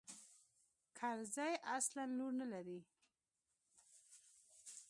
کرزى اصلاً لور نه لري.